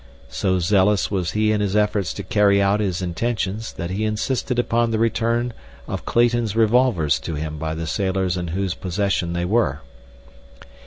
So zealous was he in his efforts to carry out his intentions that he insisted upon the return of Clayton's revolvers to him by the sailors in whose possession they were.